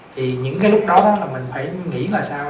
thì những cái lúc đó là mình phải nghĩ là sao